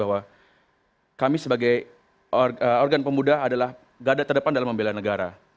bahwa kami sebagai organ pemuda adalah gada terdepan dalam membela negara